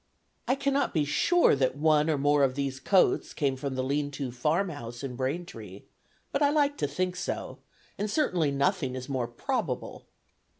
I cannot be sure that one or more of these coats came from the lean to farmhouse in Braintree, but I like to think so, and certainly nothing is more probable.